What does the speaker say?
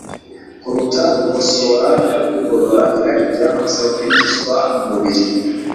kuruta gukosora no kugorora irari ryamaze kwinjizwa mu mubiri